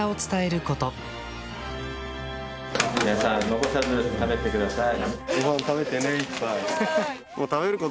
皆さん残さず食べてください。